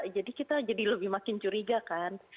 jadi kita jadi lebih makin curiga kan